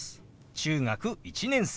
「中学１年生」。